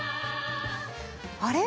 あれ？